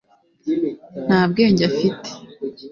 nta bwenge afite